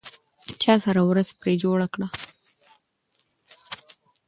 چا سره ورځ پرې جوړه کړه؟